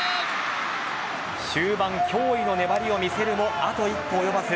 終盤、驚異の粘りを見せるもあと一歩及ばず。